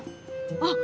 あっ！